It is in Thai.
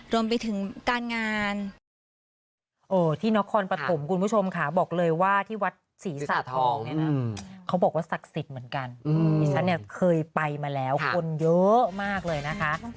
รวมไปถึงการงาน